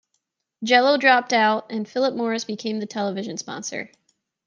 Jell-O dropped out and Philip Morris became the television sponsor.